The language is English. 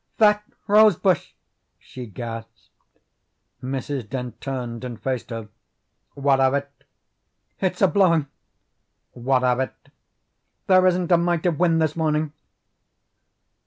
"That rose bush!" she gasped. Mrs. Dent turned and faced her. "What of it?" "It's a blowing." "What of it?" "There isn't a mite of wind this morning."